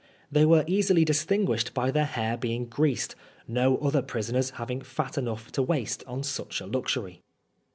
They were easily distinguished by their hair being greased, no other prisoners having fat enough to waste on such a luxury.